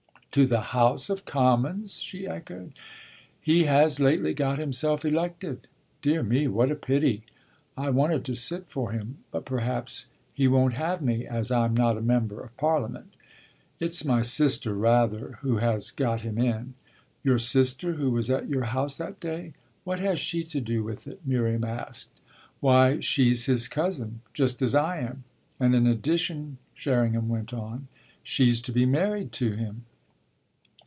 "To the House of Commons?" she echoed. "He has lately got himself elected." "Dear me, what a pity! I wanted to sit for him. But perhaps he won't have me as I'm not a member of Parliament." "It's my sister, rather, who has got him in." "Your sister who was at your house that day? What has she to do with it?" Miriam asked. "Why she's his cousin just as I am. And in addition," Sherringham went on, "she's to be married to him."